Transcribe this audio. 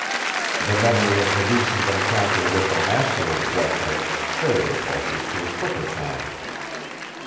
The memory of the recent encounter with the master of Bluff Head stirred her pulses to a quicker time.